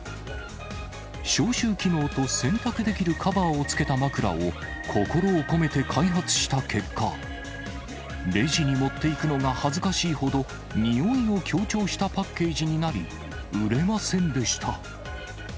消臭機能と洗濯できるカバーをつけた枕を、心を込めて開発した結果、レジに持っていくのが恥ずかしいほど、臭いを強調したパッケージになり、売れませんでした。